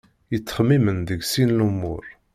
Yettxemmimen deg sin lumuṛ.